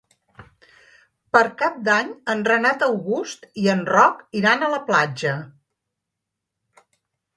Per Cap d'Any en Renat August i en Roc iran a la platja.